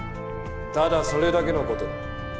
ただそれだけの事だ。